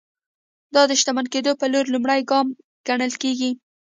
دا د شتمن کېدو پر لور لومړی ګام ګڼل کېږي.